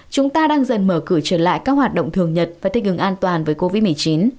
chúng ta đang dần mở cửa trở lại các hoạt động thường nhật và thích ứng an toàn với covid một mươi chín